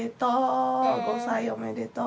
５歳おめでとう。